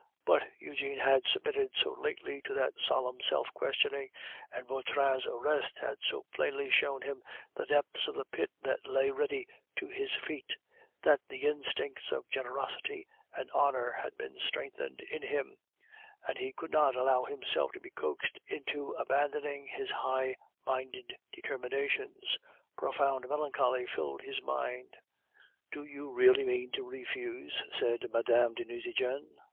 But Eugene had submitted so lately to that solemn self questioning, and Vautrin's arrest had so plainly shown him the depths of the pit that lay ready to his feet, that the instincts of generosity and honor had been strengthened in him, and he could not allow himself to be coaxed into abandoning his high minded determinations. Profound melancholy filled his mind. "Do you really mean to refuse?" said Mme. de Nucingen.